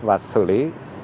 và xử lý